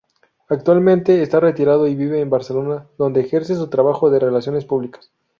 Actualmente está retirado, y vive en Barcelona donde ejerce su trabajo de relaciones públicas.